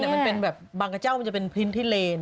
แต่มันเป็นแบบบางกระเจ้ามันจะเป็นพื้นที่เลน